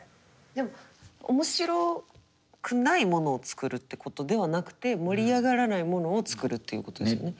でも面白くないものを作るってことではなくて盛り上がらないものを作るということですよね。